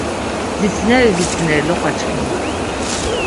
Dzitsineri dzitsineri loqaçkimi.